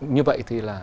như vậy thì là